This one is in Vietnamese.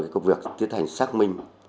công việc tiến hành xác minh